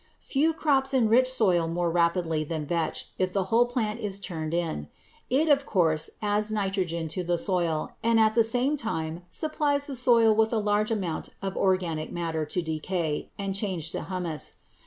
Few crops enrich soil more rapidly than vetch if the whole plant is turned in. It of course adds nitrogen to the soil and at the same time supplies the soil with a large amount of organic matter to decay and change to humus.